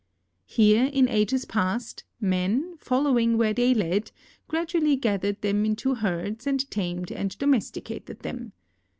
Here, in ages past, man, following where they led, gradually gathered them into herds and tamed and domesticated them.